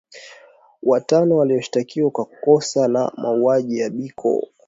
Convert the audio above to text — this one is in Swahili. Watano walioshtakiwa kwa kosa la mauwaji ya Biko